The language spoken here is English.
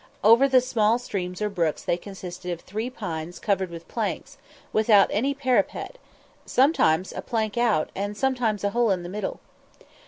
Over the small streams or brooks they consisted of three pines covered with planks, without any parapet with sometimes a plank out, and sometimes a hole in the middle.